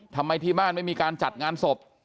ทำไมที่บ้านไม่มีการจัดงานศพ